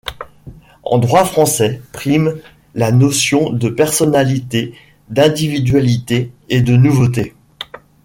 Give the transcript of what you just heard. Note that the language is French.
En droit français, prime la notion de personnalité, d'individualité et de nouveauté.